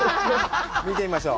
見てみましょう。